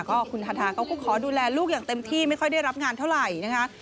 ก็คุณฮาทาเขาก็ขอดูแลลูกอย่างเต็มที่ไม่ค่อยได้รับงานเท่าไหร่นะคะ